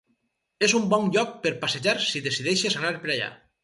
És un bon lloc per passejar si decideixes anar per allà.